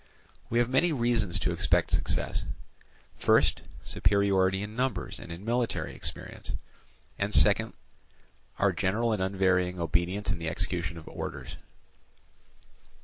We have many reasons to expect success—first, superiority in numbers and in military experience, and secondly our general and unvarying obedience in the execution of orders.